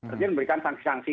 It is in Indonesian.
jadi memberikan sanksi sanksi